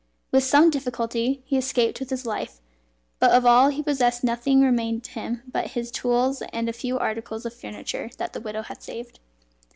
With some difficulty he escaped with his life, but of all he possessed nothing remained to him but his tools and a few articles of furniture that the widow had saved.